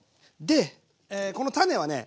でこの種はね